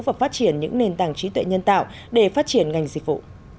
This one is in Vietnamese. và phát triển những nền tảng trí tuệ nhân tạo để phát triển ngành dịch vụ